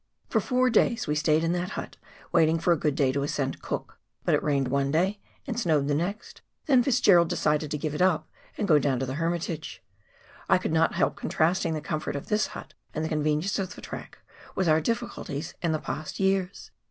For four days we stayed in that hut waiting for a good day to ascend Cook, but it rained one day and snowed the next, until Fitzgerald decided to give it up, and go down to the Hermitage. I could not help contrasting the comfort of this hut, and convenience of the track, with our difficulties in the past years.